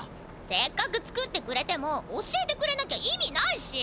せっかく作ってくれても教えてくれなきゃ意味ないし！